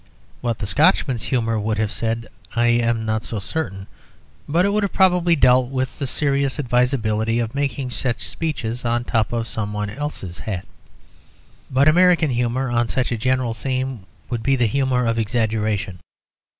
What the Scotchman's humour would have said I am not so certain, but it would probably have dealt with the serious advisability of making such speeches on top of someone else's hat. But American humour on such a general theme would be the humour of exaggeration.